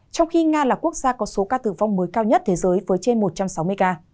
trong khi nga là quốc gia có số ca tử vong mới cao nhất thế giới với trên một trăm sáu mươi ca